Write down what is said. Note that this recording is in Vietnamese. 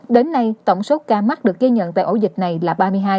đến nay tổng số ca mắc được ghi nhận tại ổ dịch này là ba mươi hai